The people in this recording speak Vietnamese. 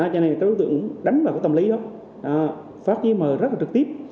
các đối tượng đánh vào tầm lý đó phát giấy mở rất là trực tiếp